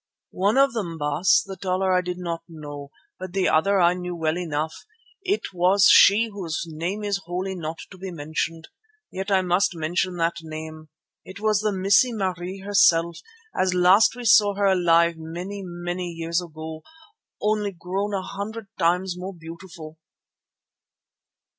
"One of them, Baas, the taller I did not know. But the other I knew well enough; it was she whose name is holy, not to be mentioned. Yet I must mention that name; it was the Missie Marie herself as last we saw her alive many, many years ago, only grown a hundred times more beautiful."